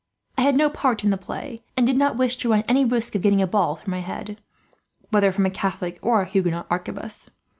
I had no part in the play, and did not wish to run any risk of getting a ball through my head; whether from a Catholic or a Huguenot arquebus.